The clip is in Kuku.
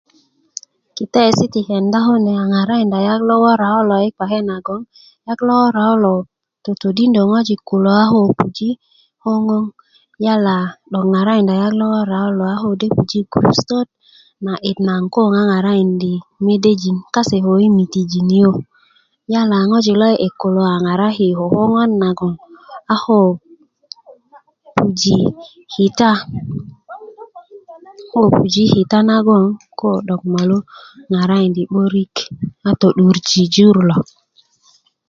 kitaesi ti kenda kune a ŋarakinda yak 'lo wora kolo yi kpake nagon yak 'lo wora ko lo totodindi ŋojik kulo a puji koŋon 'dog ŋarakinda yak lo wora kulo a ko de puji gurusutot na 'dit na yala ŋojik lo 'di'dik kulo a ŋarakinda ko koŋon nagon a ko puji kita koo puji' kita nagon ko molu ŋarakinda 'barik a to'durji jur lo